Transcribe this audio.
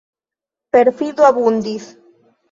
Perfido abundis.